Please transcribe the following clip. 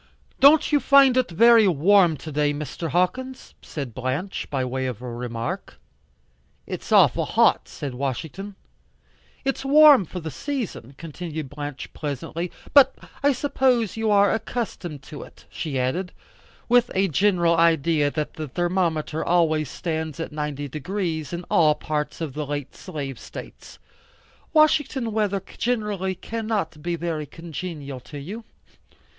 "Don't you find it very warm to day, Mr. Hawkins?" said Blanche, by way of a remark. "It's awful hot," said Washington. "It's warm for the season," continued Blanche pleasantly. "But I suppose you are accustomed to it," she added, with a general idea that the thermometer always stands at 90 deg. in all parts of the late slave states. "Washington weather generally cannot be very congenial to you?"